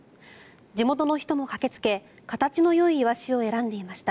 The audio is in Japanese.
地元の人も駆けつけ形のよいイワシを選んでいました。